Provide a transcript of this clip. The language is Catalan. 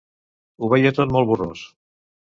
Ho veia tot molt borrós